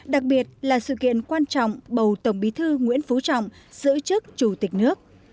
đặc biệt là sự kiện quan trọng bầu tổng bí thư nguyễn phú trọng giữ chức chủ tịch nước